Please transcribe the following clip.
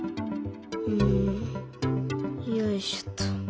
うんよいしょっと。